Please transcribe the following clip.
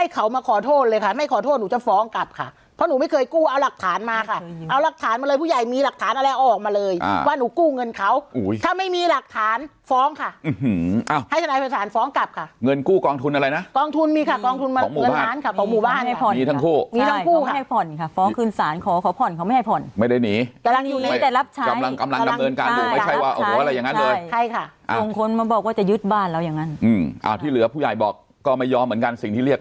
อีก๒ซองก็ของใครของมันนะคะแต่ละหมู่จากนี้ไปห้ามหัก